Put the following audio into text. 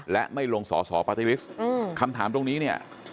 และไม่ลงสอสอปาร์ตี้ลิสต์คำถามตรงนี้เนี่ย